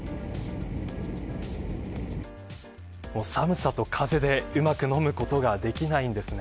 寒さと風で、うまく飲むことができないんですね。